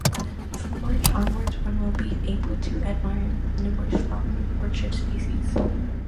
From March onwards, one will be able to admire numerous flowering orchid species.